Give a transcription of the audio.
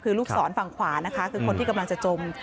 คือลูกศรฝั่งขวานะคะคือคนที่กำลังจะจม